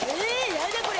やだこれ。